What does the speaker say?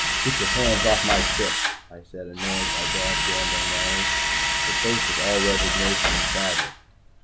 "Get your hands off my chips," I said, annoyed by bad gambling manners. Her face was all resignation and sadness.